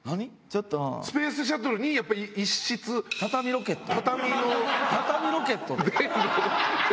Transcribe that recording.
ちょっとスペースシャトルにやっぱり一室畳の畳ロケットで？